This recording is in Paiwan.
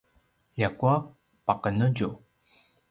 ljakua paqenetju